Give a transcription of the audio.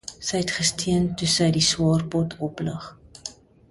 Sy het gesteun toe sy die swaar pot oplig.